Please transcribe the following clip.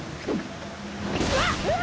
うわっうわ